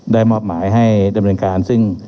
ได้มอบหมายให้ตำรวจแห่งการซึ่ง